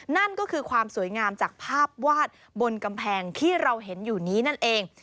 นั่นก็คือความสวยงามจากภาพวาดบนกำแพงที่เราเห็นอยู่นี้นั่นเอง